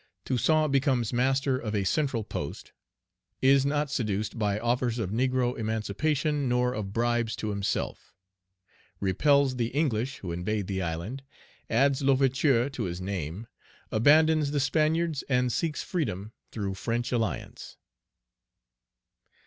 Toussaint becomes master of a central post Is not seduced by offers of negro emancipation, nor of bribes to himself Repels the English, who invade the island; adds L'Ouverture to his name; abandons the Spaniards, and seeks freedom through French alliance.